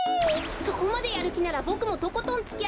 そこまでやるきならボクもとことんつきあいますよ！